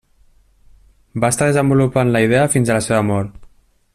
Va estar desenvolupant la idea fins a la seva mort.